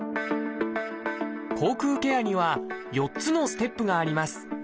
口腔ケアには４つのステップがあります。